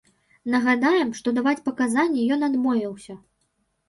Нагадаем, што даваць паказанні ён адмовіўся.